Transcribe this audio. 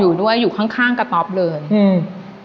อยู่ด้วยอยู่ข้างข้างกระต๊อปเลยอืม